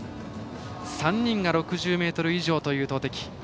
３人が６０ｍ以上という投てき。